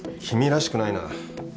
君らしくないな。